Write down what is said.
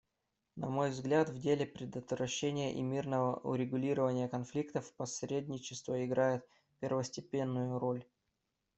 На мой взгляд, в деле предотвращения и мирного урегулирования конфликтов посредничество играет первостепенную роль.